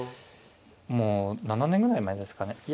もう７年ぐらい前ですかね。